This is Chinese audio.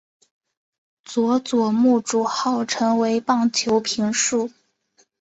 佐佐木主浩成为棒球评述。